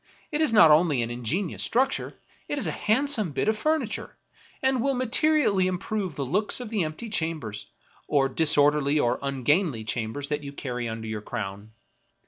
It is not only an ingenious structure, it is a handsome bit of furniture, and will materially im prove the looks of the empty chambers, or disorderly or ungainly chambers that you carry under your crown.